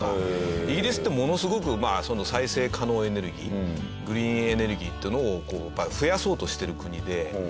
イギリスってものすごくその再生可能エネルギーグリーンエネルギーっていうのを増やそうとしてる国で。